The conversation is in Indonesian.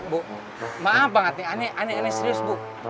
bu maaf banget nih aneh aneh serius bu